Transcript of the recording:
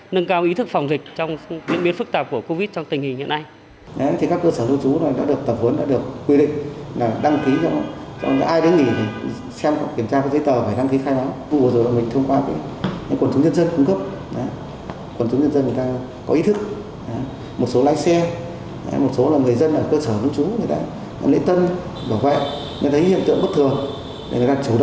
nâng cao ý thức phòng dịch trong biến biến phức tạp của covid trong tình hình hiện nay